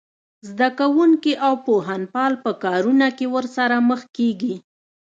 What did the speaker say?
زده کوونکي او پوهنپال په کارونه کې ورسره مخ کېږي